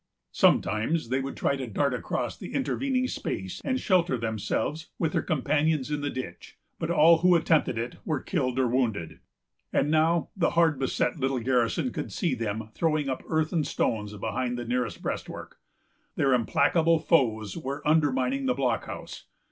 Sometimes they would try to dart across the intervening space and shelter themselves with their companions in the ditch, but all who attempted it were killed or wounded. And now the hard beset little garrison could see them throwing up earth and stones behind the nearest breastwork. Their implacable foes were undermining the blockhouse.